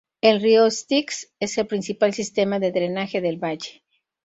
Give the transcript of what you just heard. El río Styx es el principal sistema de drenaje del valle.